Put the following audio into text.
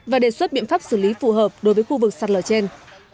và đề xuất biện pháp xử lý phù hợp đối với khu vực sạt lở trên